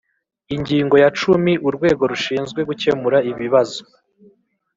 ingingo ya cumi urwego rushinzwe gucyemura ibibazo